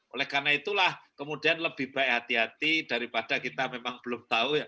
oleh karena itulah kemudian lebih baik hati hati daripada kita memang belum tahu